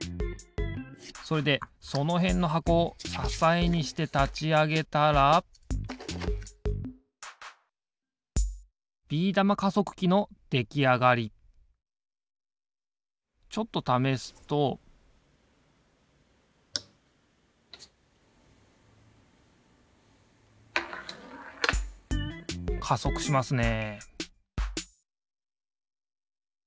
それでそのへんのはこをささえにしてたちあげたらできあがりちょっとためすと加速しますね